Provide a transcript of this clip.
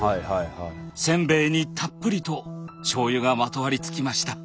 せんべいにたっぷりと醤油がまとわりつきました。